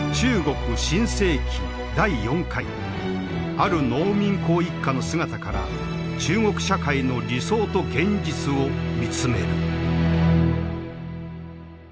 ある農民工一家の姿から中国社会の理想と現実を見つめる。